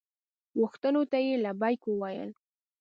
غوښتنو ته یې لبیک وویل.